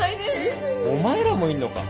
お前らもいんのか。